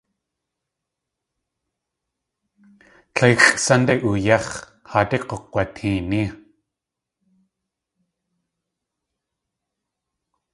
Tléixʼ sunday uyéx̲, haadé k̲ukg̲wateení.